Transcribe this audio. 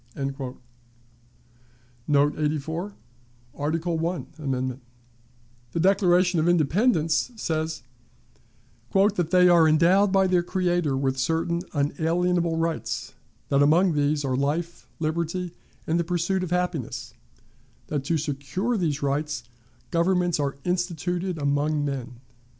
The Declaration of Independence says: "That they are endowed by their Creator with certain unalienable rights; that among these are life, liberty, and the pursuit of happiness; that, to secure these rights, governments are instituted among men."